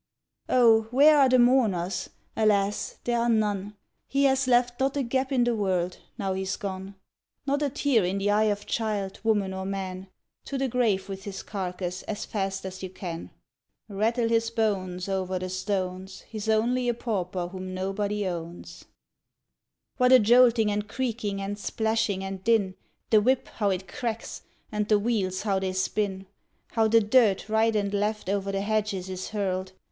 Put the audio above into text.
_ O, where are the mourners? Alas! there are none, He has left not a gap in the world, now he's gone, Not a tear in the eye of child, woman, or man; To the grave with his carcass as fast as you can: Rattle his bones over the stones! He's only a pauper whom nobody owns! What a jolting and creaking and splashing and din! The whip, how it cracks! and the wheels, how they spin! How the dirt, right and left, o'er the hedges is hurled!